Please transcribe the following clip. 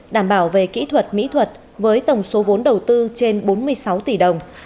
đảm bảo về kỹ thuật mỹ thuật với tổng số vốn đầu tư trên bốn mươi sáu tỷ đồng